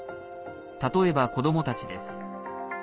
例えば子どもたちです。